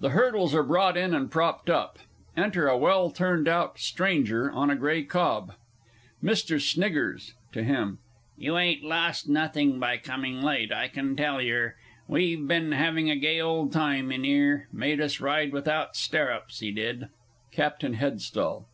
[The hurdles are brought in and propped up. Enter a well turned out STRANGER, on a grey cob. MR. SNIGGERS (to him). You ain't lost nothing by coming late, I can tell yer. We've bin having a gay old time in 'ere made us ride without sterrups, he did! CAPTAIN HEADSTALL.